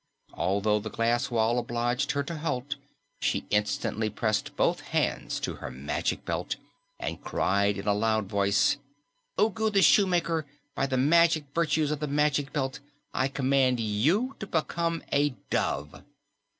Although the glass wall obliged her to halt, she instantly pressed both hands to her Magic Belt and cried in a loud voice, "Ugu the Shoemaker, by the magic virtues of the Magic Belt, I command you to become a dove!"